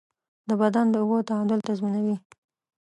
د بدن د اوبو تعادل تنظیموي.